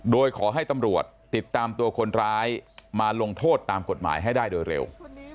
โดยขอให้ตำรวจติดตามตัวคนร้ายมาลงโทษตามกฎหมายให้ได้โดยเร็ว